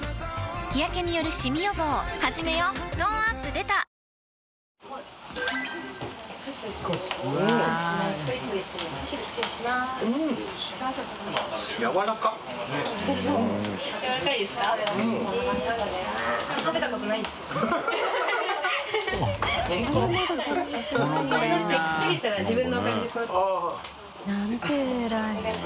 矢田）なんて偉い。